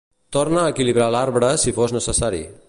Torna a equilibrar l"arbre si fos necessari.